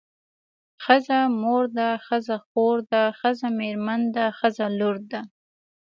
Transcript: ښځه مور ده ښځه خور ده ښځه مېرمن ده ښځه لور ده.